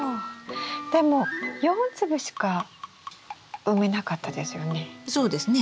でも４粒しか埋めなかったですよね。